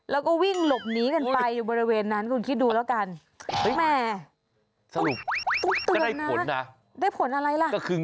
แล้วก็วิ่งหลบหนีกันไปอยู่บริเวณนั้นคุณคิดดูแล้วกัน